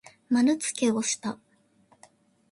まるつけをした。